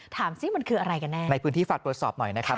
สิมันคืออะไรกันแน่ในพื้นที่ฝากตรวจสอบหน่อยนะครับ